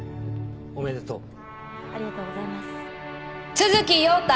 都築耀太。